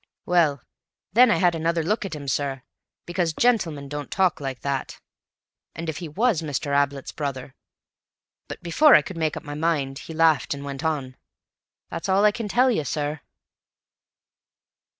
Well, then I had another look at him, sir, because gentlemen don't talk like that, and if he was Mr. Ablett's brother—but before I could make up my mind, he laughed and went on. That's all I can tell you, sir."